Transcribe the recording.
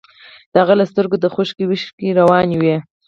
د هغه له سترګو د خوښۍ اوښکې روانې وې